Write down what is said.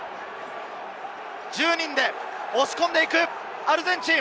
１０人で押し込んでいく、アルゼンチン。